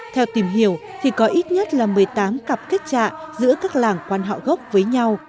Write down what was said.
theo tìm hiểu thì có ít nhất là một mươi tám cặp kết trại giữa các làng quan họ gốc với nhau